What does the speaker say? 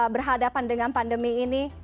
berhadapan dengan pandemi ini